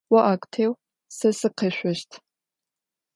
О ӏэгу теу, сэ сыкъэшъощт.